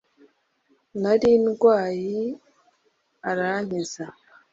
Nari ndway’arankiza